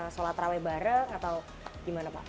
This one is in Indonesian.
sholat raweh bareng atau gimana pak